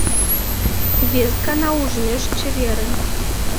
Вес гана ужмеш чеверын.